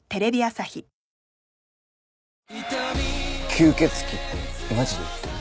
吸血鬼ってマジで言ってる？